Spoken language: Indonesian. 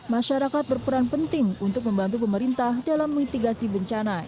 masyarakat berperan penting untuk membantu pemerintah dalam mitigasi bencana